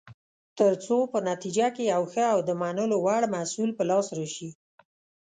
ترڅو په نتیجه کې یو ښه او د منلو وړ محصول په لاس راشي.